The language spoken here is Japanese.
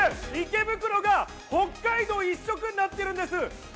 池袋が北海道一色になっているんです。